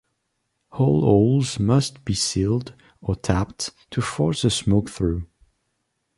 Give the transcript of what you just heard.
All holes must be sealed or taped to force the smoke through.